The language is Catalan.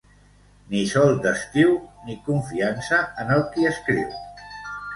Ni sol d'estiu ni confiança en el qui escriu.